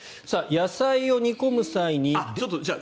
野菜を煮込む際に。